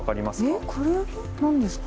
えっこれはなんですか？